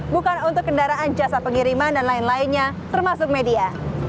bukan untuk kendaraan jasa pengiriman dan lain lainnya termasuk media